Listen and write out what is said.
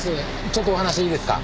ちょっとお話いいですか？